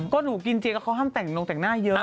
ก็หนูกินเจกับเขาห้ามแต่งนงแต่งหน้าเยอะ